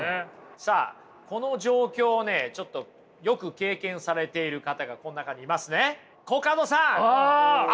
さあこの状況をねちょっとよく経験されている方がこの中にいますね。